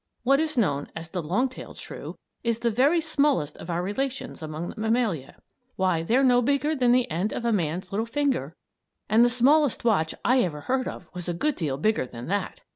What is known as the "long tailed shrew," is the very smallest of our relations among the mammalia. Why, they're no bigger than the end of a man's little finger; and the smallest watch I ever heard of was a good deal bigger than that.